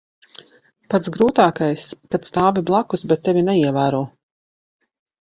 Pats grūtākais - kad stāvi blakus, bet tevi neievēro.